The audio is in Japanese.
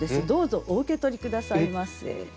どうぞお受け取り下さいませ。